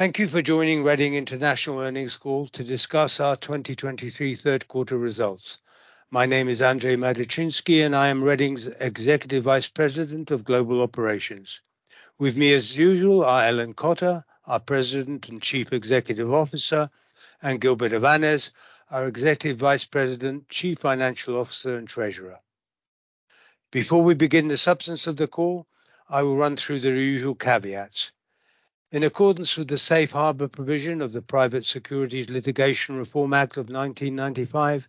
Thank you for joining Reading International Earnings Call to discuss our 2023 third quarter results. My name is Andrzej Matyczynski, and I am Reading's Executive Vice President of Global Operations. With me, as usual, are Ellen Cotter, our President and Chief Executive Officer, and Gilbert Avanes, our Executive Vice President, Chief Financial Officer, and Treasurer. Before we begin the substance of the call, I will run through the usual caveats. In accordance with the safe harbor provision of the Private Securities Litigation Reform Act of 1995,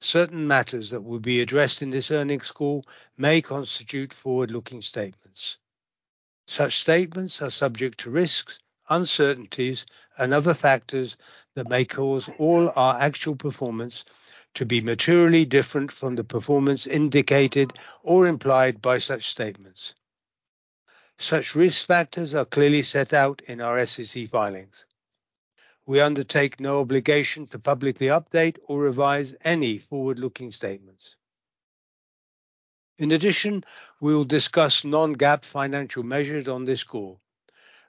certain matters that will be addressed in this earnings call may constitute forward-looking statements. Such statements are subject to risks, uncertainties, and other factors that may cause all our actual performance to be materially different from the performance indicated or implied by such statements. Such risk factors are clearly set out in our SEC filings. We undertake no obligation to publicly update or revise any forward-looking statements. In addition, we will discuss non-GAAP financial measures on this call.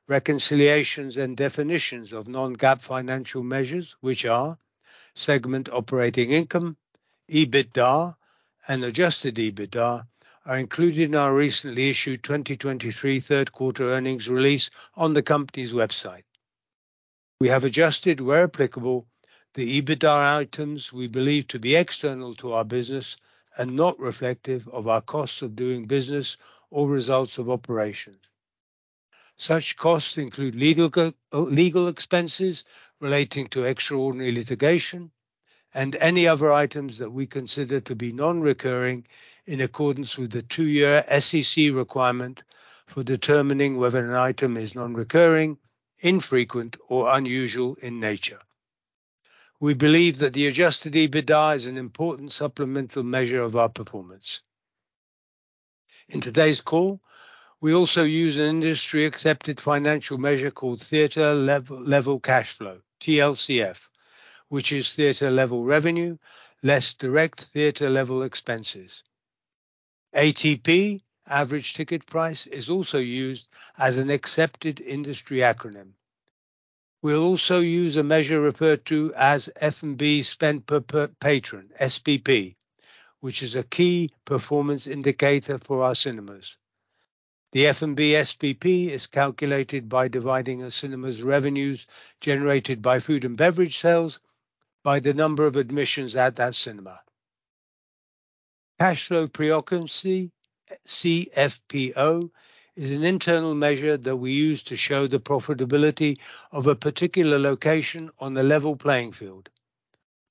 Reconciliations and definitions of non-GAAP financial measures, which are segment operating income, EBITDA, and Adjusted EBITDA, are included in our recently issued 2023 third quarter earnings release on the company's website. We have adjusted, where applicable, the EBITDA items we believe to be external to our business and not reflective of our costs of doing business or results of operations. Such costs include legal expenses relating to extraordinary litigation and any other items that we consider to be non-recurring in accordance with the two-year SEC requirement for determining whether an item is non-recurring, infrequent, or unusual in nature. We believe that the Adjusted EBITDA is an important supplemental measure of our performance. In today's call, we also use an industry-accepted financial measure called theater level cash flow, TLCF, which is theater-level revenue, less direct theater-level expenses. ATP, Average Ticket Price, is also used as an accepted industry acronym. We'll also use a measure referred to as F&B Spend per Patron, SPP, which is a key performance indicator for our cinemas. The F&B SPP is calculated by dividing a cinema's revenues generated by food and beverage sales by the number of admissions at that cinema. Cash flow pre-occupancy, CFPO, is an internal measure that we use to show the profitability of a particular location on a level playing field.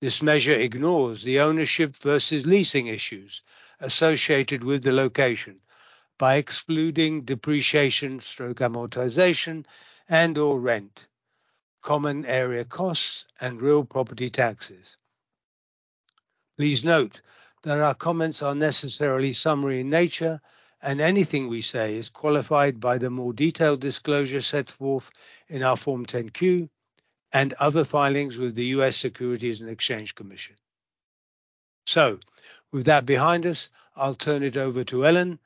This measure ignores the ownership versus leasing issues associated with the location by excluding depreciation, amortization, and/or rent, common area costs, and real property taxes. Please note that our comments are necessarily summary in nature, and anything we say is qualified by the more detailed disclosure set forth in our Form 10-Q and other filings with the U.S. Securities and Exchange Commission. With that behind us, I'll turn it over to Ellen,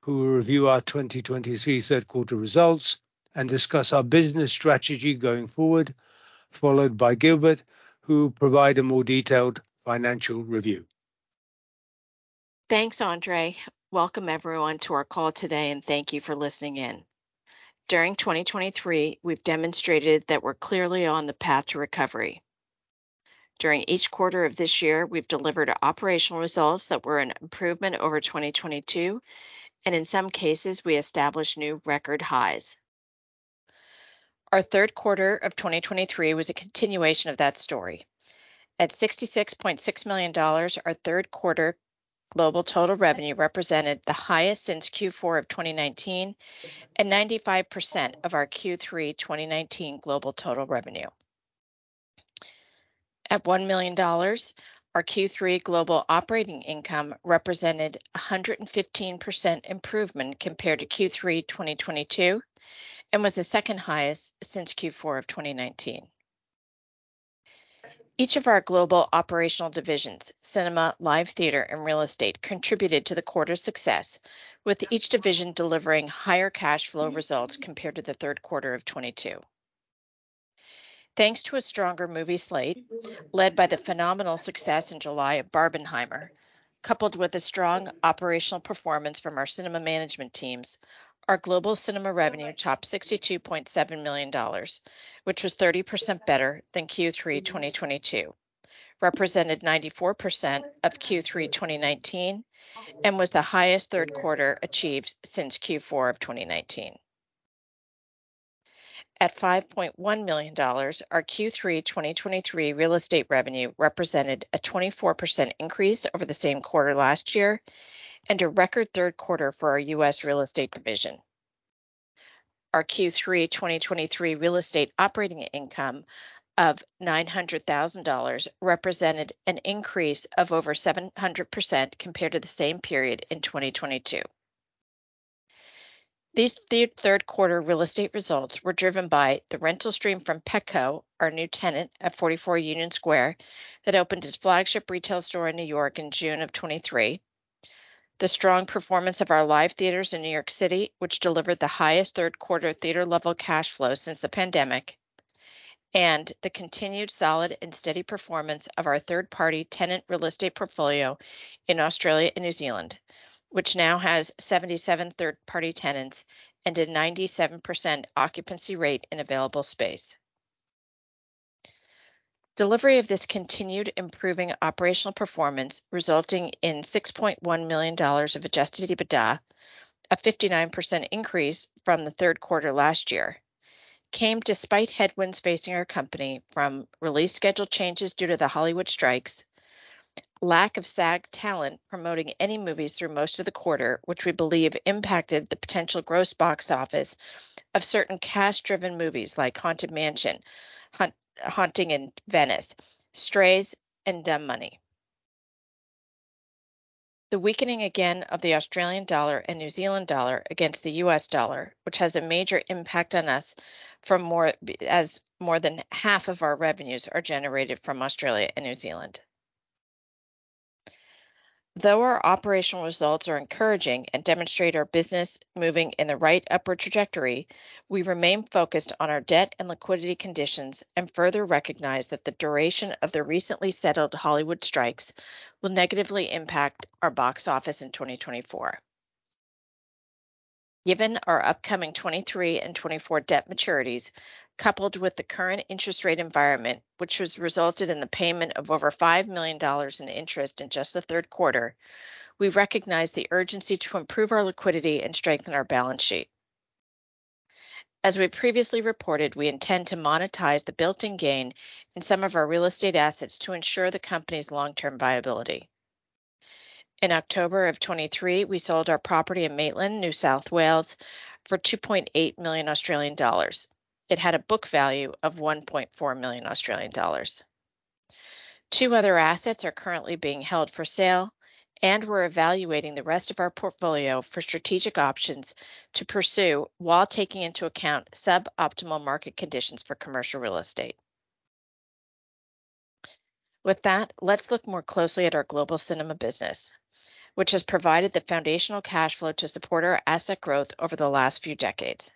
who will review our 2023 third quarter results and discuss our business strategy going forward, followed by Gilbert, who will provide a more detailed financial review. Thanks, Andre. Welcome, everyone, to our call today, and thank you for listening in. During 2023, we've demonstrated that we're clearly on the path to recovery. During each quarter of this year, we've delivered operational results that were an improvement over 2022, and in some cases, we established new record highs. Our third quarter of 2023 was a continuation of that story. At $66.6 million, our third quarter global total revenue represented the highest since Q4 of 2019, and 95% of our Q3 2019 global total revenue. At $1 million, our Q3 global operating income represented a 115% improvement compared to Q3 2022 and was the second highest since Q4 of 2019. Each of our global operational divisions, cinema, live theater, and real estate, contributed to the quarter's success, with each division delivering higher cash flow results compared to the third quarter of 2022. Thanks to a stronger movie slate, led by the phenomenal success in July of Barbenheimer, coupled with a strong operational performance from our cinema management teams, our global cinema revenue topped $62.7 million, which was 30% better than Q3 2022, represented 94% of Q3 2019, and was the highest third quarter achieved since Q4 of 2019. At $5.1 million, our Q3 2023 real estate revenue represented a 24% increase over the same quarter last year and a record third quarter for our U.S. real estate division. Our Q3 2023 real estate operating income of $900,000 represented an increase of over 700% compared to the same period in 2022. These third quarter real estate results were driven by the rental stream from Petco, our new tenant at 44 Union Square, that opened its flagship retail store in New York in June 2023. The strong performance of our live theaters in New York City, which delivered the highest third quarter theater-level cash flow since the pandemic, and the continued solid and steady performance of our third-party tenant real estate portfolio in Australia and New Zealand, which now has 77 third-party tenants and a 97% occupancy rate in available space. Delivery of this continued improving operational performance, resulting in $6.1 million of Adjusted EBITDA, a 59% increase from the third quarter last year, came despite headwinds facing our company from release schedule changes due to the Hollywood strikes, lack of SAG talent promoting any movies through most of the quarter, which we believe impacted the potential gross box office of certain cast-driven movies like Haunted Mansion, Haunting in Venice, Strays, and Dumb Money. The weakening again of the Australian dollar and New Zealand dollar against the US dollar, which has a major impact on us from more, as more than half of our revenues are generated from Australia and New Zealand. Though our operational results are encouraging and demonstrate our business moving in the right upward trajectory, we remain focused on our debt and liquidity conditions and further recognize that the duration of the recently settled Hollywood strikes will negatively impact our box office in 2024. Given our upcoming 2023 and 2024 debt maturities, coupled with the current interest rate environment, which has resulted in the payment of over $5 million in interest in just the third quarter, we recognize the urgency to improve our liquidity and strengthen our balance sheet. As we previously reported, we intend to monetize the built-in gain in some of our real estate assets to ensure the company's long-term viability. In October 2023, we sold our property in Maitland, New South Wales, for 2.8 million Australian dollars. It had a book value of 1.4 million Australian dollars. Two other assets are currently being held for sale, and we're evaluating the rest of our portfolio for strategic options to pursue while taking into account suboptimal market conditions for commercial real estate. With that, let's look more closely at our global cinema business, which has provided the foundational cash flow to support our asset growth over the last few decades.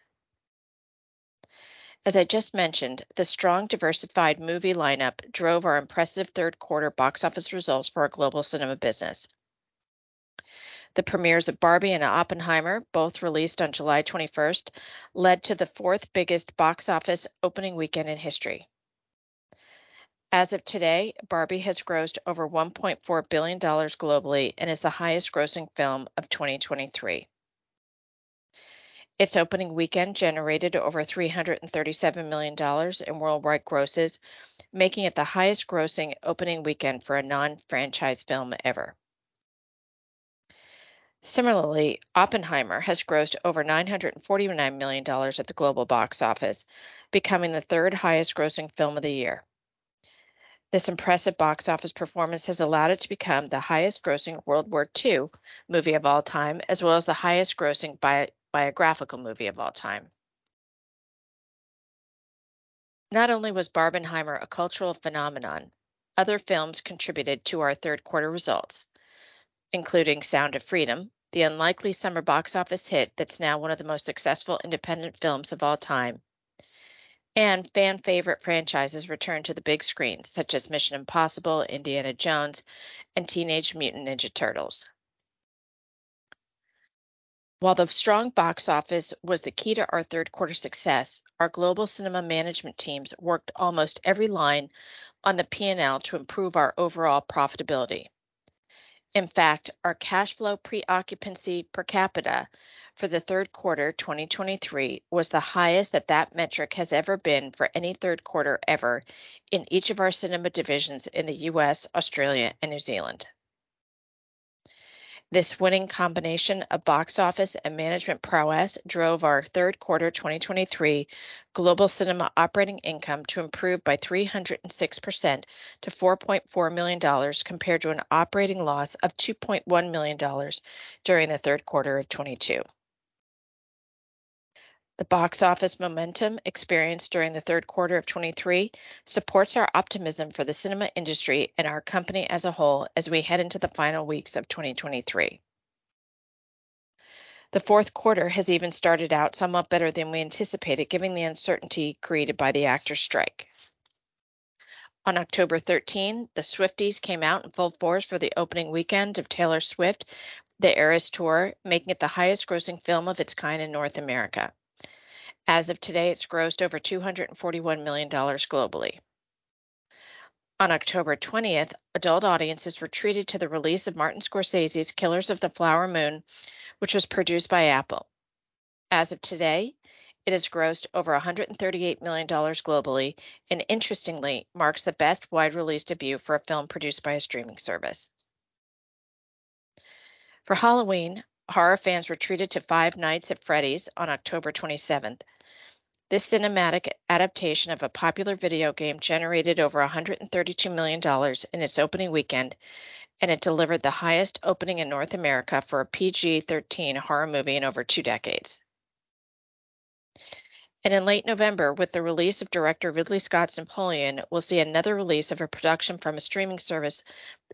As I just mentioned, the strong, diversified movie lineup drove our impressive third quarter box office results for our global cinema business. The premieres of Barbie and Oppenheimer, both released on July 21, led to the fourth-biggest box office opening weekend in history. As of today, Barbie has grossed over $1.4 billion globally and is the highest-grossing film of 2023. Its opening weekend generated over $337 million in worldwide grosses, making it the highest-grossing opening weekend for a non-franchise film ever. Similarly, Oppenheimer has grossed over $949 million at the global box office, becoming the third highest-grossing film of the year. This impressive box office performance has allowed it to become the highest-grossing World War II movie of all time, as well as the highest-grossing biographical movie of all time. Not only was Barbenheimer a cultural phenomenon, other films contributed to our third quarter results, including Sound of Freedom, the unlikely summer box office hit that's now one of the most successful independent films of all time. And fan favorite franchises returned to the big screen, such as Mission Impossible, Indiana Jones, and Teenage Mutant Ninja Turtles. While the strong box office was the key to our third quarter success, our global cinema management teams worked almost every line on the P&L to improve our overall profitability. In fact, our cash flow pre-occupancy per capita for the third quarter 2023 was the highest that that metric has ever been for any third quarter ever in each of our cinema divisions in the U.S., Australia, and New Zealand. This winning combination of box office and management prowess drove our third quarter 2023 global cinema operating income to improve by 306% to $4.4 million, compared to an operating loss of $2.1 million during the third quarter of 2022. The box office momentum experienced during the third quarter of 2023 supports our optimism for the cinema industry and our company as a whole as we head into the final weeks of 2023. The fourth quarter has even started out somewhat better than we anticipated, given the uncertainty created by the actors' strike. On October 13, the Swifties came out in full force for the opening weekend of Taylor Swift: The Eras Tour, making it the highest-grossing film of its kind in North America. As of today, it's grossed over $241 million globally. On October 20, adult audiences were treated to the release of Martin Scorsese's Killers of the Flower Moon, which was produced by Apple. As of today, it has grossed over $138 million globally and interestingly, marks the best wide release debut for a film produced by a streaming service. For Halloween, horror fans were treated to Five Nights at Freddy's on October 27. This cinematic adaptation of a popular video game generated over $132 million in its opening weekend, and it delivered the highest opening in North America for a PG-13 horror movie in over two decades. In late November, with the release of Director Ridley Scott's Napoleon, we'll see another release of a production from a streaming service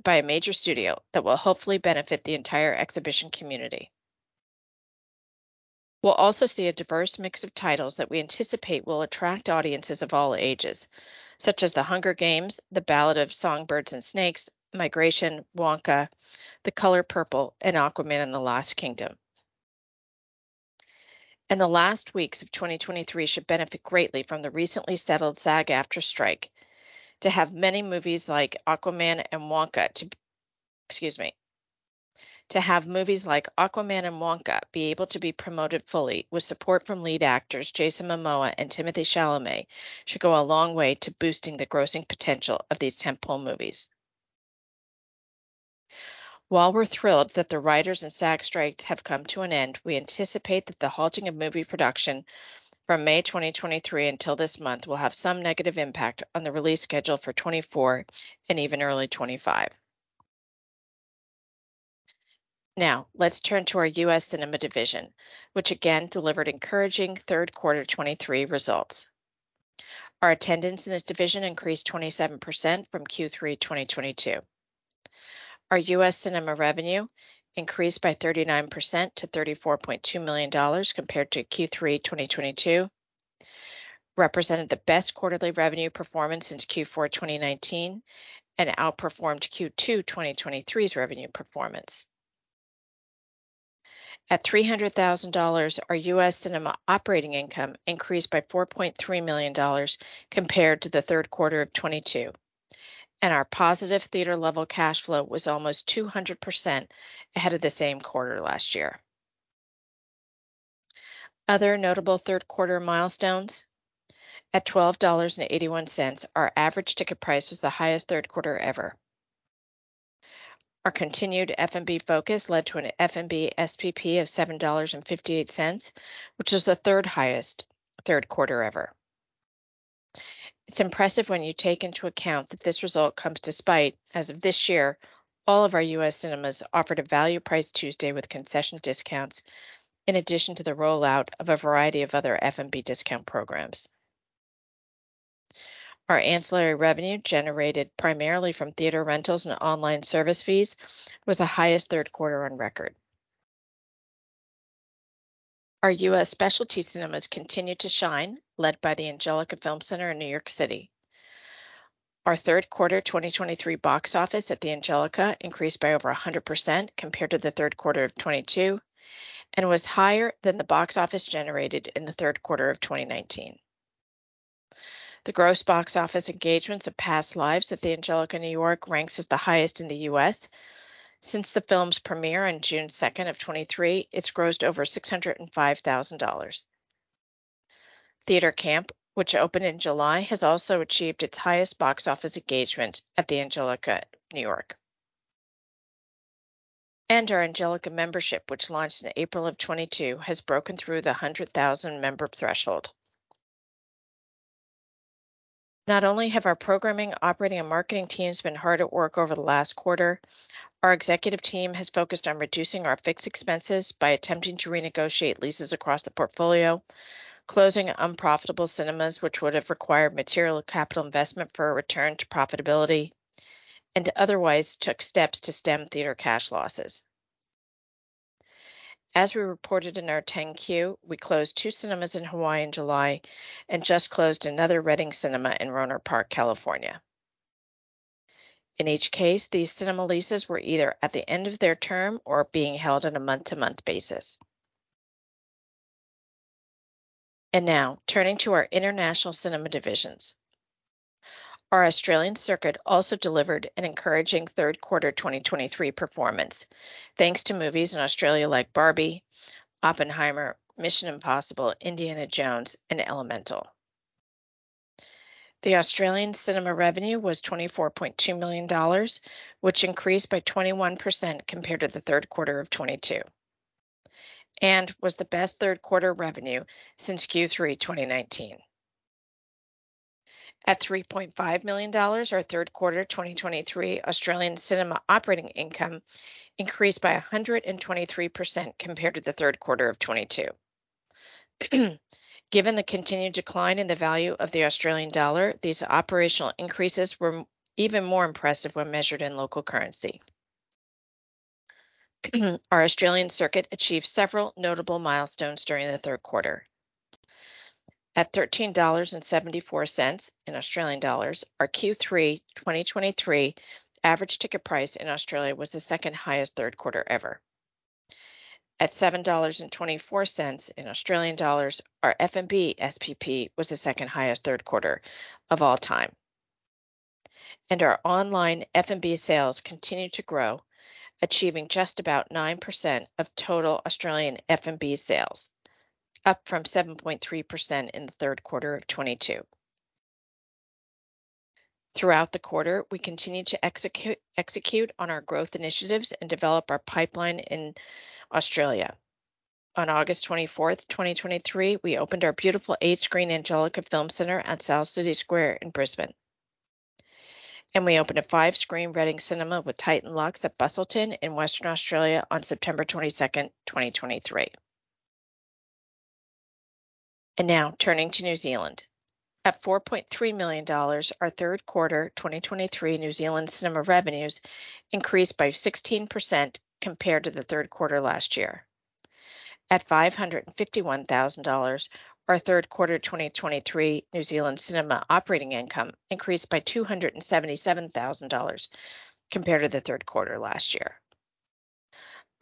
by a major studio that will hopefully benefit the entire exhibition community. We'll also see a diverse mix of titles that we anticipate will attract audiences of all ages, such as The Hunger Games: The Ballad of Songbirds & Snakes, Migration, Wonka, The Color Purple, and Aquaman and the Lost Kingdom. The last weeks of 2023 should benefit greatly from the recently settled SAG-AFTRA strike. To have movies like Aquaman and Wonka be able to be promoted fully with support from lead actors Jason Momoa and Timothée Chalamet, should go a long way to boosting the grossing potential of these tentpole movies. While we're thrilled that the writers and SAG strikes have come to an end, we anticipate that the halting of movie production from May 2023 until this month will have some negative impact on the release schedule for 2024 and even early 2025. Now, let's turn to our U.S. Cinema division, which again delivered encouraging third quarter 2023 results. Our attendance in this division increased 27% from Q3 2022. Our U.S. cinema revenue increased by 39% to $34.2 million, compared to Q3 2022. [This] represented the best quarterly revenue performance since Q4 2019, and outperformed Q2 2023's revenue performance. At $300,000, our U.S. cinema operating income increased by $4.3 million compared to the third quarter of 2022, and our positive theater-level cash flow was almost 200% ahead of the same quarter last year. Other notable third quarter milestones: at $12.81, our average ticket price was the highest third quarter ever. Our continued F&B focus led to an F&B SPP of $7.58, which is the third highest third quarter ever. It's impressive when you take into account that this result comes despite, as of this year, all of our U.S. cinemas offered a value price Tuesday with concession discounts, in addition to the rollout of a variety of other F&B discount programs. Our ancillary revenue, generated primarily from theater rentals and online service fees, was the highest third quarter on record. Our U.S. specialty cinemas continued to shine, led by the Angelika Film Center in New York City. Our third quarter box office at the Angelika increased by over 100% compared to the third quarter of 2022 and was higher than the box office generated in the third quarter of 2019. The gross box office engagements of Past Lives at the Angelika, New York ranks as the highest in the U.S. Since the film's premiere on June second, 2023, it's grossed over $605,000. Theater Camp, which opened in July, has also achieved its highest box office engagement at the Angelika, New York. Our Angelika Membership, which launched in April 2022, has broken through the 100,000 member threshold. Not only have our programming, operating, and marketing teams been hard at work over the last quarter, our executive team has focused on reducing our fixed expenses by attempting to renegotiate leases across the portfolio, closing unprofitable cinemas, which would have required material capital investment for a return to profitability, and otherwise took steps to stem theater cash losses. As we reported in our 10-Q, we closed two cinemas in Hawaii in July and just closed another Reading Cinema in Rohnert Park, California. In each case, these cinema leases were either at the end of their term or being held on a month-to-month basis. Now turning to our international cinema divisions. Our Australian circuit also delivered an encouraging third quarter performance, thanks to movies in Australia like Barbie, Oppenheimer, Mission Impossible, Indiana Jones, and Elemental. The Australian cinema revenue was $24.2 million, which increased by 21% compared to the third quarter of 2022, and was the best third quarter revenue since Q3 2019. At $3.5 million, our third quarter Australian cinema operating income increased by 123% compared to the third quarter of 2022. Given the continued decline in the value of the Australian dollar, these operational increases were even more impressive when measured in local currency. Our Australian circuit achieved several notable milestones during the third quarter. At 13.74 dollars in Australian dollars, our Q3 2023 average ticket price in Australia was the second highest third quarter ever. At 7.24 dollars, our F&B SPP was the second highest third quarter of all time, and our online F&B sales continued to grow, achieving just about 9% of total Australian F&B sales, up from 7.3% in the third quarter of 2022. Throughout the quarter, we continued to execute on our growth initiatives and develop our pipeline in Australia. On August 24th, 2023, we opened our beautiful 8-screen Angelika Film Center at South City Square in Brisbane. We opened a 5-screen Reading cinema with Titan Luxe at Busselton in Western Australia on September 22nd, 2023. Now turning to New Zealand. At $4.3 million, our third quarter 2023 New Zealand cinema revenues increased by 16% compared to the third quarter last year. At $551,000, our third quarter 2023 New Zealand cinema operating income increased by $277,000 compared to the third quarter last year.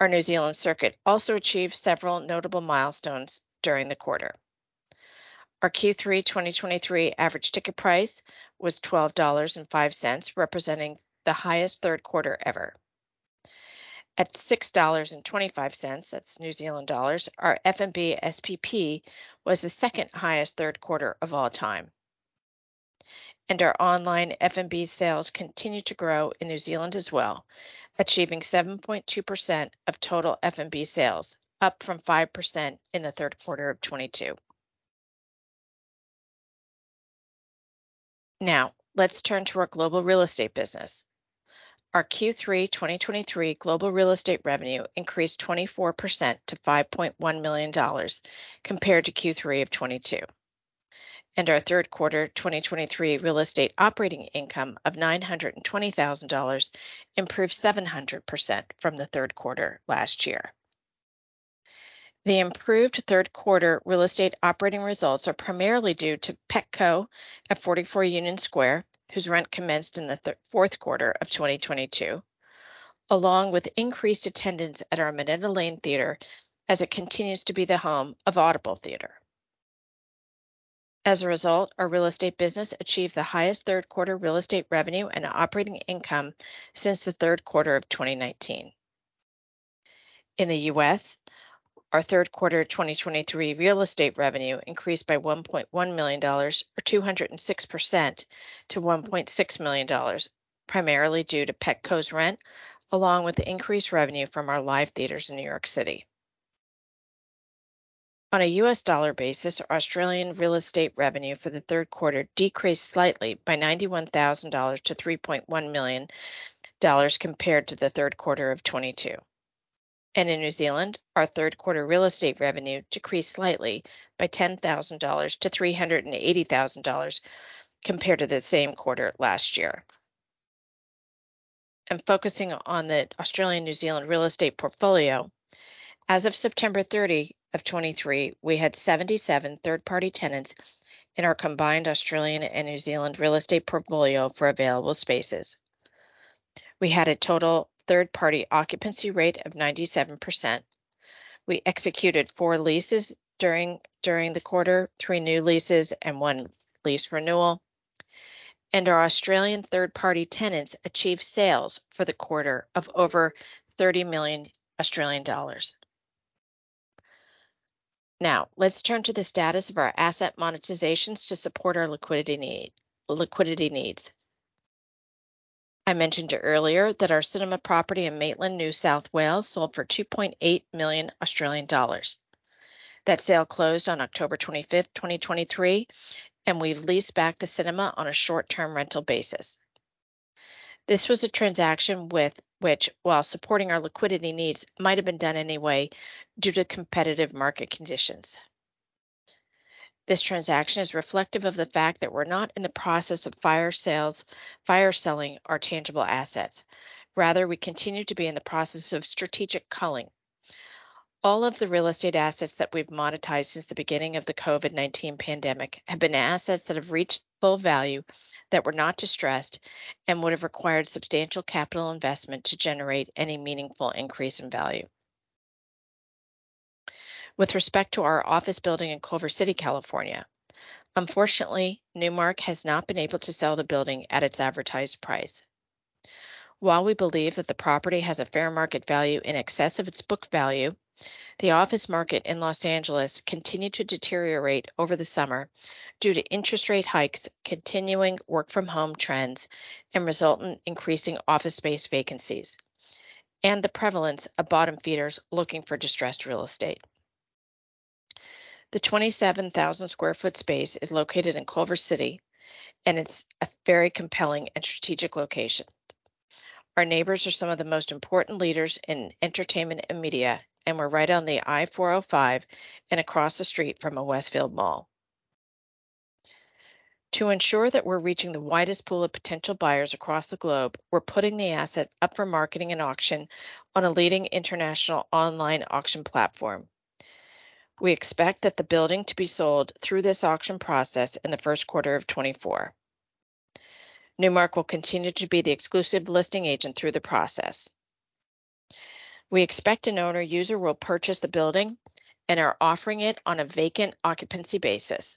Our New Zealand circuit also achieved several notable milestones during the quarter. Our Q3 2023 average ticket price was 12.05 dollars, representing the highest third quarter ever. At 6.25 dollars, that's New Zealand dollars, our F&B SPP was the second highest third quarter of all time, and our online F&B sales continued to grow in New Zealand as well, achieving 7.2% of total F&B sales, up from 5% in the third quarter of 2022. Now, let's turn to our global real estate business. Our Q3 2023 global real estate revenue increased 24% to $5.1 million compared to Q3 of 2022, and our third quarter 2023 real estate operating income of $920,000 improved 700% from the third quarter last year. The improved third quarter real estate operating results are primarily due to Petco at 44 Union Square, whose rent commenced in the fourth quarter of 2022, along with increased attendance at our Minetta Lane Theatre as it continues to be the home of Audible Theater. As a result, our real estate business achieved the highest third quarter real estate revenue and operating income since the third quarter of 2019. In the U.S., our third quarter 2023 real estate revenue increased by $1.1 million or 206% to $1.6 million, primarily due to Petco's rent, along with increased revenue from our live theaters in New York City. On a U.S. dollar basis, Australian real estate revenue for the third quarter decreased slightly by $91,000 to $3.1 million compared to the third quarter of 2022. In New Zealand, our third quarter real estate revenue decreased slightly by $10,000 to $380,000 compared to the same quarter last year. Focusing on the Australian, New Zealand real estate portfolio, as of September 30, 2023, we had 77 third-party tenants in our combined Australian and New Zealand real estate portfolio for available spaces. We had a total third-party occupancy rate of 97%. We executed 4 leases during the quarter, 3 new leases and 1 lease renewal. And our Australian third-party tenants achieved sales for the quarter of over 30 million Australian dollars. Now, let's turn to the status of our asset monetizations to support our liquidity needs. I mentioned earlier that our cinema property in Maitland, New South Wales, sold for 2.8 million Australian dollars. That sale closed on October 25, 2023, and we've leased back the cinema on a short-term rental basis. This was a transaction with which, while supporting our liquidity needs, might have been done anyway due to competitive market conditions. This transaction is reflective of the fact that we're not in the process of fire sales, fire selling our tangible assets. Rather, we continue to be in the process of strategic culling. All of the real estate assets that we've monetized since the beginning of the COVID-19 pandemic have been assets that have reached full value, that were not distressed and would have required substantial capital investment to generate any meaningful increase in value. With respect to our office building in Culver City, California, unfortunately, Newmark has not been able to sell the building at its advertised price. While we believe that the property has a fair market value in excess of its book value, the office market in Los Angeles continued to deteriorate over the summer due to interest rate hikes, continuing work-from-home trends, and resultant increasing office space vacancies, and the prevalence of bottom feeders looking for distressed real estate. The 27,000 sq ft space is located in Culver City, and it's a very compelling and strategic location. Our neighbors are some of the most important leaders in entertainment and media, and we're right on the I-405 and across the street from a Westfield mall. To ensure that we're reaching the widest pool of potential buyers across the globe, we're putting the asset up for marketing and auction on a leading international online auction platform. We expect that the building to be sold through this auction process in the first quarter of 2024. Newmark will continue to be the exclusive listing agent through the process. We expect an owner user will purchase the building and are offering it on a vacant occupancy basis.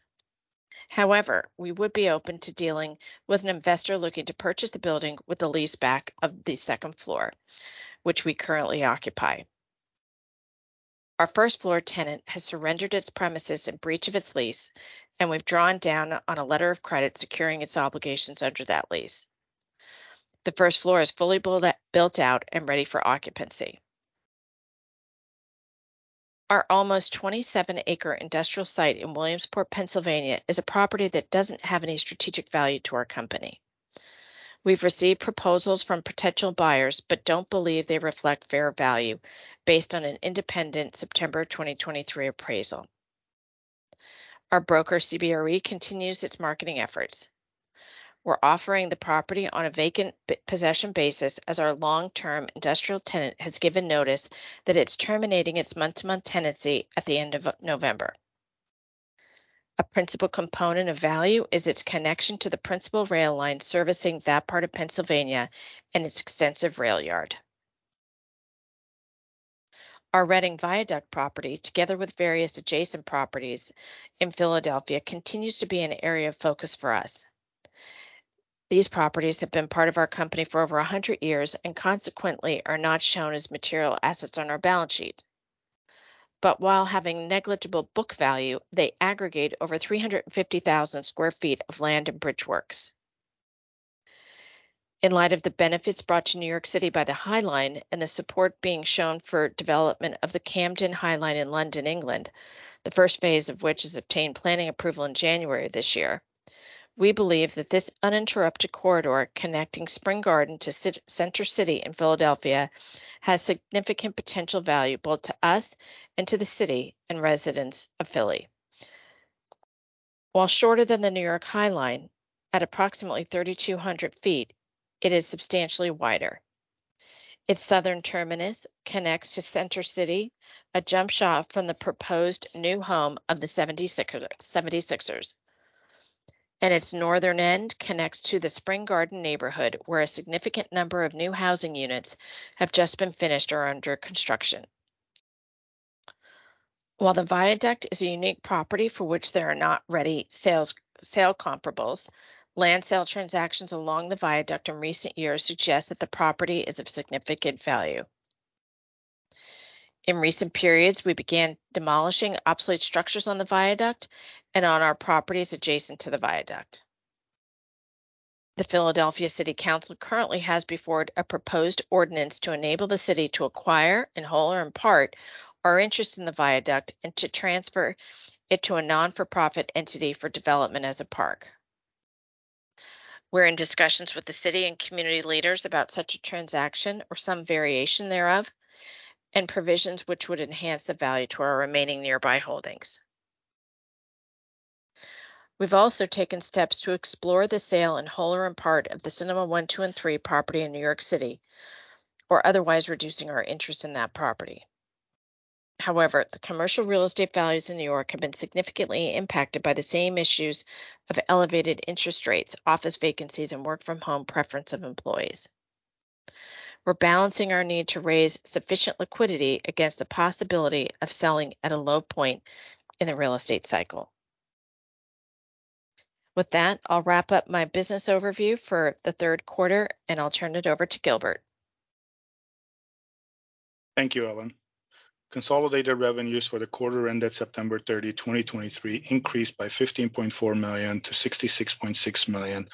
However, we would be open to dealing with an investor looking to purchase the building with a leaseback of the second floor, which we currently occupy. Our first-floor tenant has surrendered its premises in breach of its lease, and we've drawn down on a letter of credit securing its obligations under that lease. The first floor is fully built, built out and ready for occupancy. Our almost 27-acre industrial site in Williamsport, Pennsylvania, is a property that doesn't have any strategic value to our company. We've received proposals from potential buyers, but don't believe they reflect fair value based on an independent September 2023 appraisal. Our broker, CBRE, continues its marketing efforts. We're offering the property on a vacant possession basis, as our long-term industrial tenant has given notice that it's terminating its month-to-month tenancy at the end of November. A principal component of value is its connection to the principal rail line servicing that part of Pennsylvania and its extensive rail yard. Our Reading Viaduct property, together with various adjacent properties in Philadelphia, continues to be an area of focus for us. These properties have been part of our company for over 100 years and consequently are not shown as material assets on our balance sheet. But while having negligible book value, they aggregate over 350,000 sq ft of land and bridge works. In light of the benefits brought to New York City by the High Line and the support being shown for development of the Camden High Line in London, England, the first phase of which has obtained planning approval in January this year, we believe that this uninterrupted corridor connecting Spring Garden to Center City in Philadelphia has significant potential value, both to us and to the city and residents of Philly. While shorter than the New York High Line, at approximately 3,200 feet, it is substantially wider. Its southern terminus connects to Center City, a jump shot from the proposed new home of the 76ers, and its northern end connects to the Spring Garden neighborhood, where a significant number of new housing units have just been finished or are under construction. While the Viaduct is a unique property for which there are not ready sales, sale comparables, land sale transactions along the Viaduct in recent years suggest that the property is of significant value. In recent periods, we began demolishing obsolete structures on the Viaduct and on our properties adjacent to the Viaduct. The Philadelphia City Council currently has before it a proposed ordinance to enable the city to acquire, in whole or in part, our interest in the Viaduct and to transfer it to a not-for-profit entity for development as a park. We're in discussions with the city and community leaders about such a transaction or some variation thereof, and provisions which would enhance the value to our remaining nearby holdings. We've also taken steps to explore the sale, in whole or in part, of the Cinemas 1, 2, and 3 property in New York City, or otherwise reducing our interest in that property. However, the commercial real estate values in New York have been significantly impacted by the same issues of elevated interest rates, office vacancies, and work-from-home preference of employees. We're balancing our need to raise sufficient liquidity against the possibility of selling at a low point in the real estate cycle. With that, I'll wrap up my business overview for the third quarter, and I'll turn it over to Gilbert. Thank you, Ellen. Consolidated revenues for the quarter ended September 30, 2023 increased by $15.4 million to $66.6 million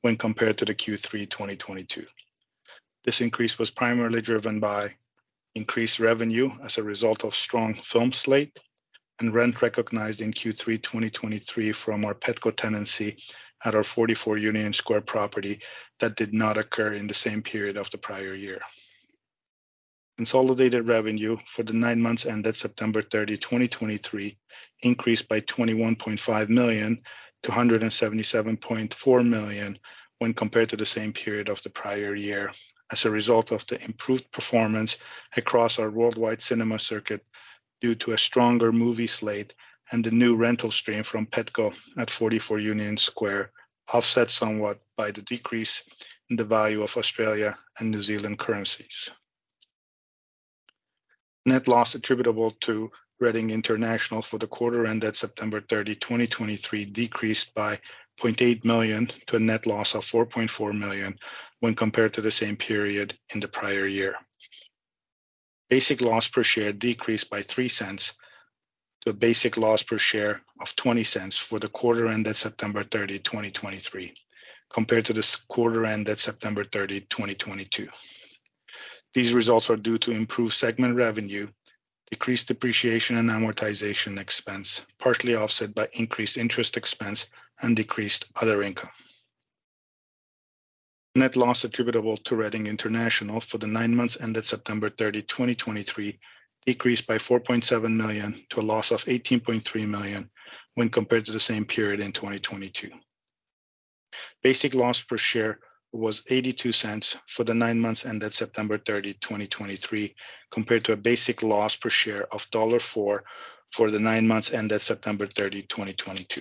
when compared to the Q3 2022. This increase was primarily driven by increased revenue as a result of strong film slate and rent recognized in Q3 2023 from our Petco tenancy at our 44 Union Square property that did not occur in the same period of the prior year. Consolidated revenue for the nine months ended September 30, 2023 increased by $21.5 million to $177.4 million when compared to the same period of the prior year, as a result of the improved performance across our worldwide cinema circuit due to a stronger movie slate and the new rental stream from Petco at 44 Union Square, offset somewhat by the decrease in the value of Australia and New Zealand currencies. Net loss attributable to Reading International for the quarter ended September 30, 2023 decreased by $0.8 million to a net loss of $4.4 million when compared to the same period in the prior year. Basic loss per share decreased by $0.03 to a basic loss per share of $0.20 for the quarter ended September 30, 2023, compared to this quarter ended September 30, 2022. These results are due to improved segment revenue, decreased depreciation and amortization expense, partially offset by increased interest expense and decreased other income. Net loss attributable to Reading International for the nine months ended September 30, 2023 decreased by $4.7 million, to a loss of $18.3 million when compared to the same period in 2022. Basic loss per share was $0.82 for the nine months ended September 30, 2023, compared to a basic loss per share of $4 for the nine months ended September 30, 2022.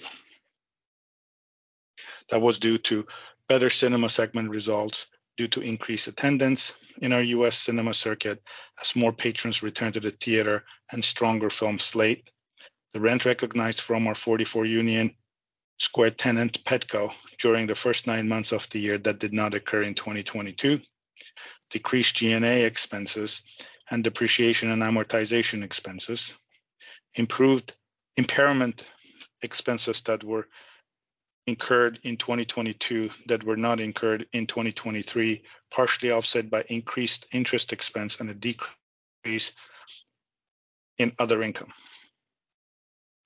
That was due to better cinema segment results due to increased attendance in our U.S. cinema circuit as more patrons returned to the theater and stronger film slate. The rent recognized from our 44 Union Square tenant, Petco, during the first nine months of the year that did not occur in 2022, decreased G&A expenses and depreciation and amortization expenses, improved impairment expenses that were incurred in 2022 that were not incurred in 2023, partially offset by increased interest expense and a decrease in other income.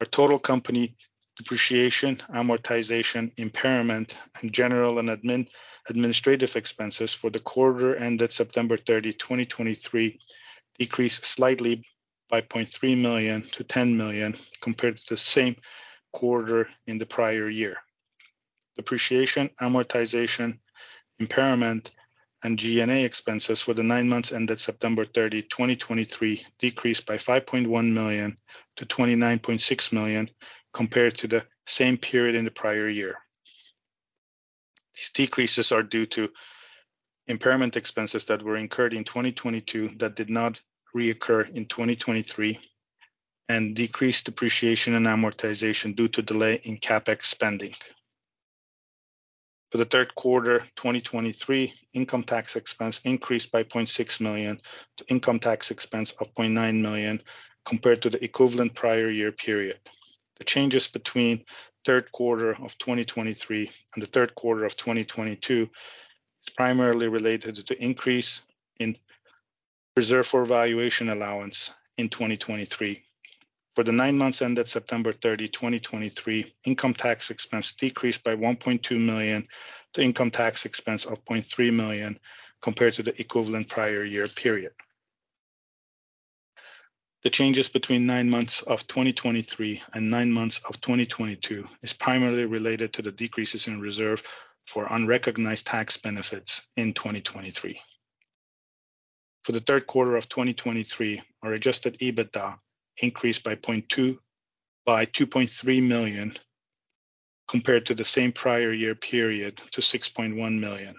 Our total company depreciation, amortization, impairment, and general and administrative expenses for the quarter ended September 30, 2023, decreased slightly by $0.3 million to $10 million, compared to the same quarter in the prior year. Depreciation, amortization, impairment, and G&A expenses for the nine months ended September 30, 2023, decreased by $5.1 million to $29.6 million, compared to the same period in the prior year. These decreases are due to impairment expenses that were incurred in 2022 that did not reoccur in 2023 and decreased depreciation and amortization due to delay in CapEx spending. For the third quarter 2023, income tax expense increased by $0.6 million to income tax expense of $0.9 million, compared to the equivalent prior year period. The changes between third quarter of 2023 and the third quarter of 2022 is primarily related to increase in reserve for valuation allowance in 2023. For the nine months ended September 30, 2023, income tax expense decreased by $1.2 million to income tax expense of $0.3 million, compared to the equivalent prior year period. The changes between nine months of 2023 and nine months of 2022 is primarily related to the decreases in reserve for unrecognized tax benefits in 2023. For the third quarter of 2023, our Adjusted EBITDA increased by $2.3 million, compared to the same prior year period to $6.1 million.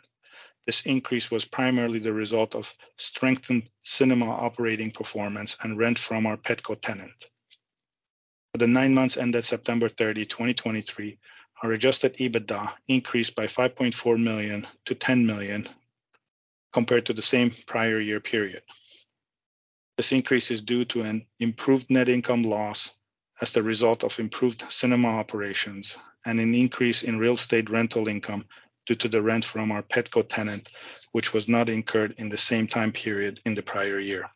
This increase was primarily the result of strengthened cinema operating performance and rent from our Petco tenant. For the nine months ended September 30, 2023, our Adjusted EBITDA increased by $5.4 million to $10 million, compared to the same prior year period. This increase is due to an improved net income loss as the result of improved cinema operations and an increase in real estate rental income due to the rent from our Petco tenant, which was not incurred in the same time period in the prior year.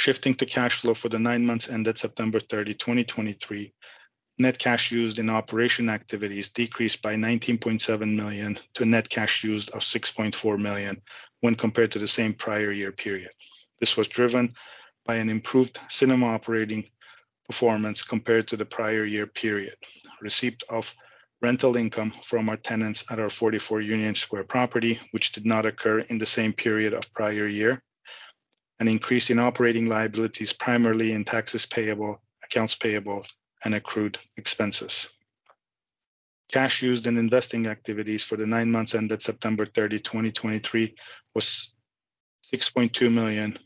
Shifting to cash flow for the nine months ended September 30, 2023, net cash used in operating activities decreased by $19.7 million to net cash used of $6.4 million when compared to the same prior year period. This was driven by an improved cinema operating performance compared to the prior year period, receipt of rental income from our tenants at our 44 Union Square property, which did not occur in the same period of prior year, an increase in operating liabilities, primarily in taxes payable, accounts payable, and accrued expenses. Cash used in investing activities for the nine months ended September 30, 2023, was $6.2 million,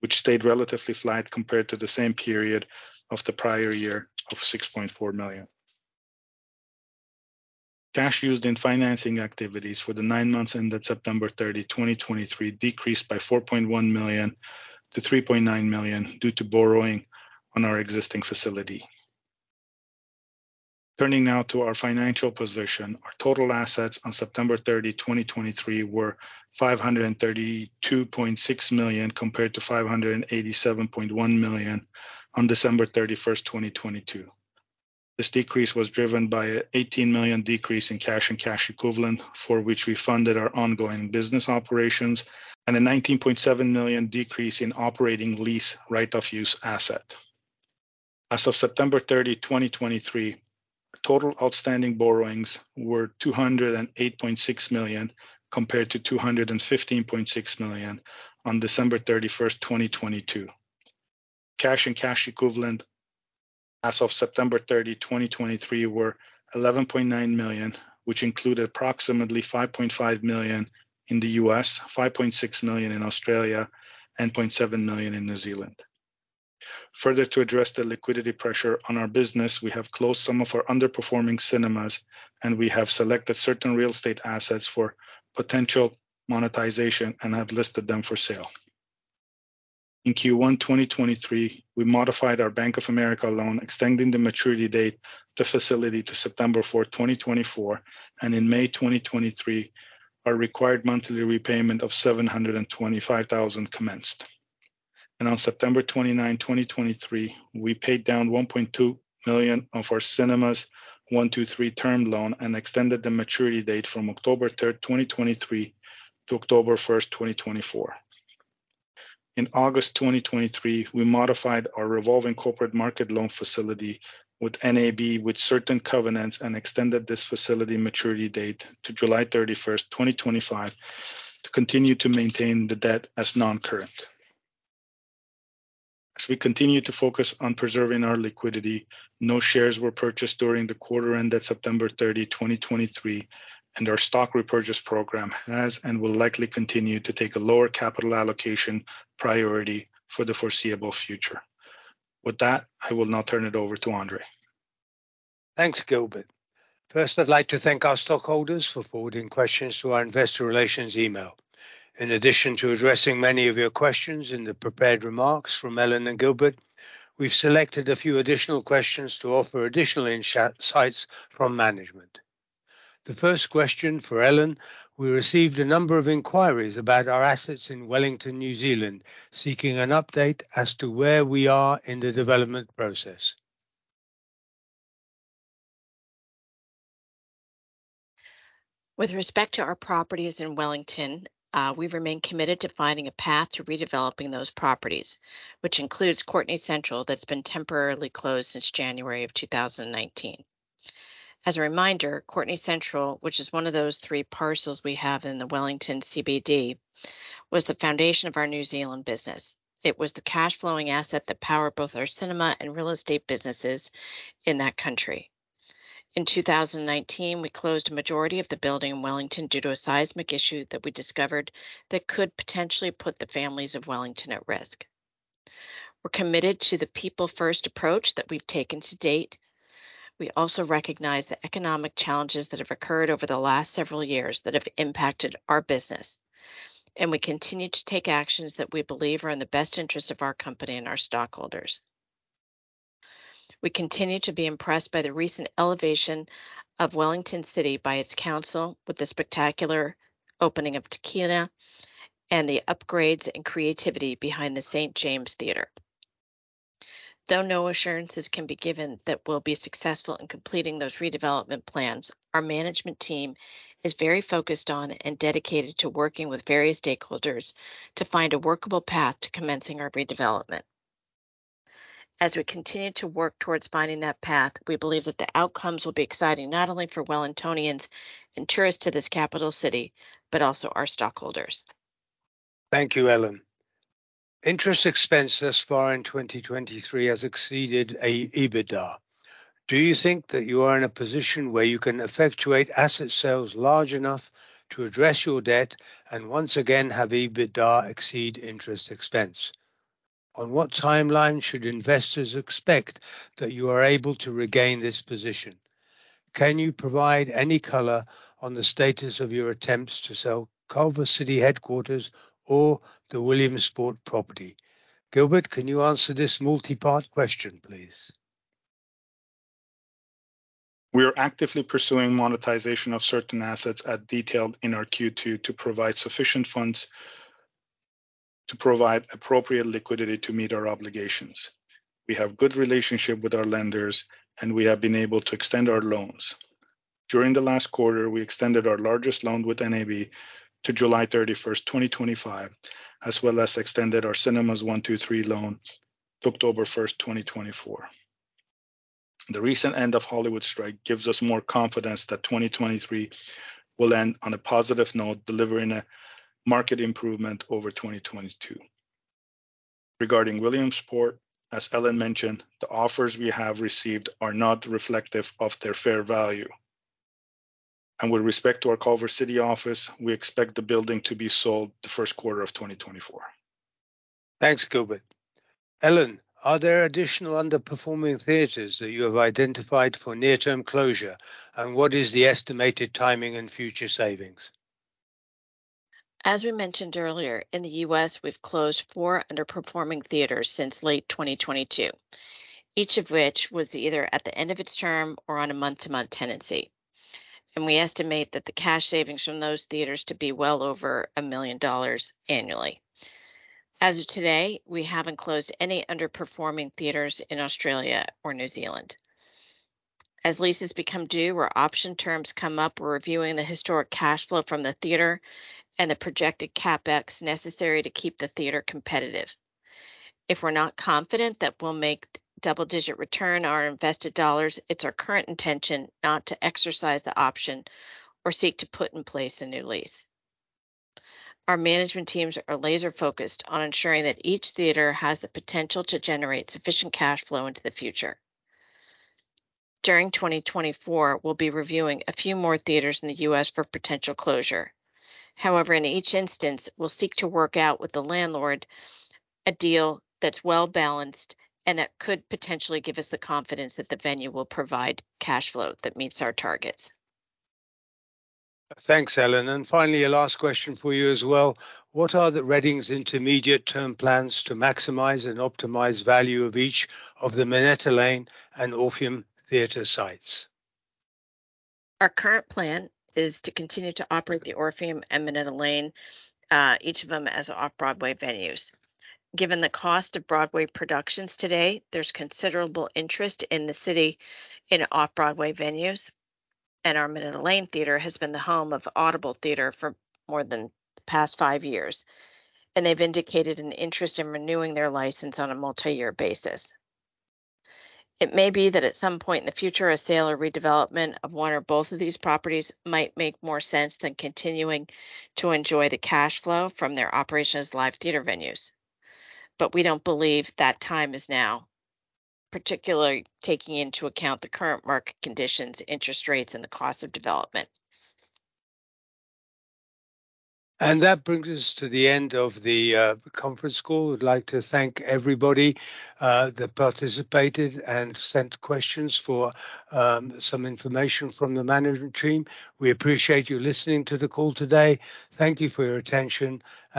which stayed relatively flat compared to the same period of the prior year of $6.4 million. Cash used in financing activities for the nine months ended September 30, 2023, decreased by $4.1 million to $3.9 million due to borrowing on our existing facility. Turning now to our financial position. Our total assets on September 30, 2023, were $532.6 million, compared to $587.1 million on December 31, 2022. This decrease was driven by an $18 million decrease in cash and cash equivalent, for which we funded our ongoing business operations, and a $19.7 million decrease in operating lease right-of-use asset. As of September 30, 2023, total outstanding borrowings were $208.6 million, compared to $215.6 million on December 31, 2022. Cash and cash equivalents as of September 30, 2023, were $11.9 million, which included approximately $5.5 million in the U.S., $5.6 million in Australia, and $0.7 million in New Zealand. Further, to address the liquidity pressure on our business, we have closed some of our underperforming cinemas, and we have selected certain real estate assets for potential monetization and have listed them for sale. In Q1 2023, we modified our Bank of America loan, extending the maturity date, the facility to September 4, 2024, and in May 2023, our required monthly repayment of $725,000 commenced. On September 29, 2023, we paid down $1.2 million on our Cinemas 1, 2, 3 term loan and extended the maturity date from October 3, 2023, to October 1, 2024. In August 2023, we modified our revolving corporate market loan facility with NAB, with certain covenants, and extended this facility maturity date to July 31, 2025, to continue to maintain the debt as non-current. As we continue to focus on preserving our liquidity, no shares were purchased during the quarter ended September 30, 2023, and our stock repurchase program has and will likely continue to take a lower capital allocation priority for the foreseeable future. With that, I will now turn it over to Andrzej. Thanks, Gilbert. First, I'd like to thank our stockholders for forwarding questions to our investor relations email. In addition to addressing many of your questions in the prepared remarks from Ellen and Gilbert, we've selected a few additional questions to offer additional in-depth insights from management. The first question, for Ellen: we received a number of inquiries about our assets in Wellington, New Zealand, seeking an update as to where we are in the development process. With respect to our properties in Wellington, we remain committed to finding a path to redeveloping those properties, which includes Courtenay Central that's been temporarily closed since January of 2019. As a reminder, Courtenay Central, which is one of those three parcels we have in the Wellington CBD, was the foundation of our New Zealand business. It was the cash flowing asset that powered both our cinema and real estate businesses in that country. In 2019, we closed a majority of the building in Wellington due to a seismic issue that we discovered that could potentially put the families of Wellington at risk. We're committed to the people first approach that we've taken to date. We also recognize the economic challenges that have occurred over the last several years that have impacted our business, and we continue to take actions that we believe are in the best interest of our company and our stockholders. We continue to be impressed by the recent elevation of Wellington City by its council, with the spectacular opening of Te Ngākau, and the upgrades and creativity behind the St. James Theatre. Though no assurances can be given that we'll be successful in completing those redevelopment plans, our management team is very focused on and dedicated to working with various stakeholders to find a workable path to commencing our redevelopment. As we continue to work towards finding that path, we believe that the outcomes will be exciting, not only for Wellingtonians and tourists to this capital city, but also our stockholders. Thank you, Ellen. Interest expense thus far in 2023 has exceeded EBITDA. Do you think that you are in a position where you can effectuate asset sales large enough to address your debt and once again have EBITDA exceed interest expense? On what timeline should investors expect that you are able to regain this position? Can you provide any color on the status of your attempts to sell Culver City headquarters or the Williamsport property? Gilbert, can you answer this multi-part question, please? We are actively pursuing monetization of certain assets as detailed in our Q2 to provide sufficient funds to provide appropriate liquidity to meet our obligations. We have good relationship with our lenders, and we have been able to extend our loans. During the last quarter, we extended our largest loan with NAB to July 31st, 2025, as well as extended our Cinemas 1, 2, 3 loan to October 1st, 2024. The recent end of Hollywood strike gives us more confidence that 2023 will end on a positive note, delivering a market improvement over 2022. Regarding Williamsport, as Ellen mentioned, the offers we have received are not reflective of their fair value. With respect to our Culver City office, we expect the building to be sold the first quarter of 2024. Thanks, Gilbert. Ellen, are there additional underperforming theaters that you have identified for near-term closure, and what is the estimated timing and future savings? As we mentioned earlier, in the U.S., we've closed four underperforming theaters since late 2022, each of which was either at the end of its term or on a month-to-month tenancy. We estimate that the cash savings from those theaters to be well over $1 million annually. As of today, we haven't closed any underperforming theaters in Australia or New Zealand. As leases become due or option terms come up, we're reviewing the historic cash flow from the theater and the projected CapEx necessary to keep the theater competitive. If we're not confident that we'll make double-digit return on our invested dollars, it's our current intention not to exercise the option or seek to put in place a new lease. Our management teams are laser focused on ensuring that each theater has the potential to generate sufficient cash flow into the future. During 2024, we'll be reviewing a few more theaters in the U.S. for potential closure. However, in each instance, we'll seek to work out with the landlord a deal that's well-balanced and that could potentially give us the confidence that the venue will provide cash flow that meets our targets. Thanks, Ellen. Finally, a last question for you as well. What are Reading's intermediate term plans to maximize and optimize value of each of the Minetta Lane and Orpheum Theatre sites? Our current plan is to continue to operate the Orpheum and Minetta Lane, each of them as Off-Broadway venues. Given the cost of Broadway productions today, there's considerable interest in the city in Off-Broadway venues, and our Minetta Lane Theatre has been the home of Audible Theater for more than the past five years, and they've indicated an interest in renewing their license on a multi-year basis. It may be that at some point in the future, a sale or redevelopment of one or both of these properties might make more sense than continuing to enjoy the cash flow from their operation as live theater venues. But we don't believe that time is now, particularly taking into account the current market conditions, interest rates, and the cost of development. That brings us to the end of the conference call. We'd like to thank everybody that participated and sent questions for some information from the management team. We appreciate you listening to the call today. Thank you for your attention, and-